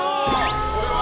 これは、○。